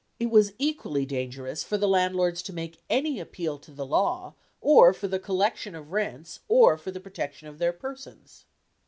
It was equally dangerous for the landlords to make any appeal to the law or for the collection of rents or for protection of their persons.